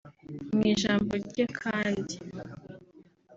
Mu ijambo rye kandi